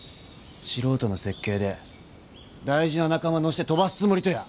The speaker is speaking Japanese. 素人の設計で大事な仲間乗して飛ばすつもりとや？